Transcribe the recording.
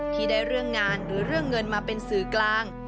ที่ได้เรื่องงานหรือเรื่องเงินมาเป็นสื่อกลาง